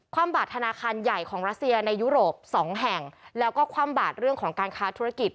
ความบาดธนาคารใหญ่ของรัสเซียในยุโรปสองแห่งแล้วก็คว่ำบาดเรื่องของการค้าธุรกิจ